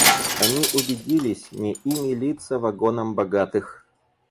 Они убедились — не ими литься вагонам богатых.